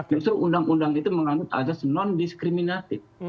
justru undang undang itu mengandung asas non diskriminatif